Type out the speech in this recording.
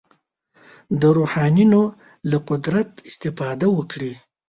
د روحانیونو له قدرت استفاده وکړي.